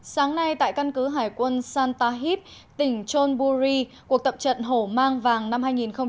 sáng nay tại căn cứ hải quân santa hip tỉnh chonburi cuộc tập trận hổ mang vàng năm hai nghìn một mươi bảy